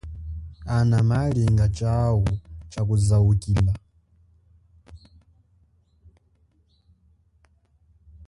Ana malinga chau chakuzaukila.